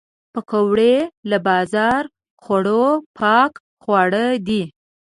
پکورې له بازار خوړو پاک خواړه دي